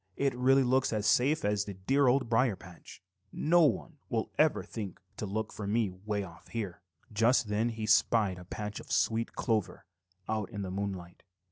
"It really looks as safe as the dear Old Briar patch. No one will ever think to look for me way off here." Just then he spied a patch of sweet clover out in the moonlight.